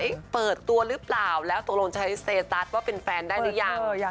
เปิดตัวหรือเปล่าแล้วตกลงใช้สเตตัสว่าเป็นแฟนได้หรือยัง